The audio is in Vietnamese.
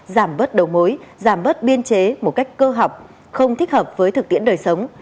giảm bớt đầu mối giảm bớt biên chế một cách cơ học không thích hợp với thực tiễn đời sống